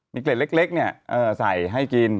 มีเกล็ดเล็กใส่ให้กิน